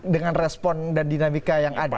dengan respon dan dinamika yang ada